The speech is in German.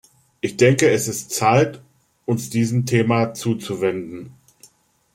Ich denke, es ist Zeit, uns diesem Thema zuzuwenden.